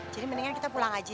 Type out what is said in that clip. jadi mendingan kita pulang aja ya